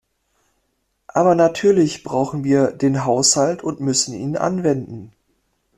Aber natürlich brauchen wir den Haushalt und müssen ihn anwenden.